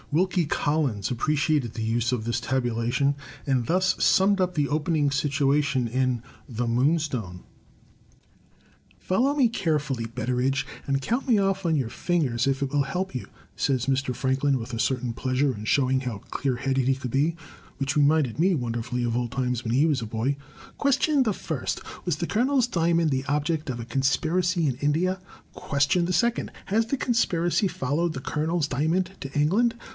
Wilkie Collins appreciated the use of this tabulation, and thus summed up the opening situation in "The Moonstone": "Follow me carefully, Betteredge; and count me off on your fin gers, if it will help you/' says Mr. PrankUn, with a certain pleasure in showing how clear headed he could be, which reminded me won derfully of old times when he was a boy. "Question the first: Was the Colonel's Diamond the object of a conspiracy in India? Question the second: Has the conspiracy followed the Colonel's Diamond to England?